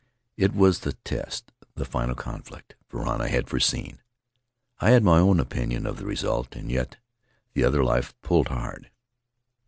It was the test, the final conflict Varana had foreseen. I had my own opinion of the result, and yet the other life pulled hard.